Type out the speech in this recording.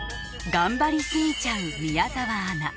頑張りすぎちゃう宮澤アナ